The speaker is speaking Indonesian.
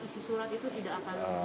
isi surat itu tidak akan